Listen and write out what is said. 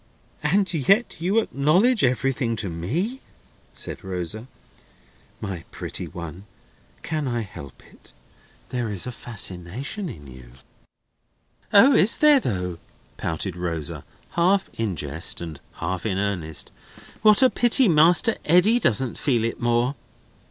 "And yet you acknowledge everything to me!" said Rosa. "My pretty one, can I help it? There is a fascination in you." "O! is there though?" pouted Rosa, half in jest and half in earnest. "What a pity Master Eddy doesn't feel it more!"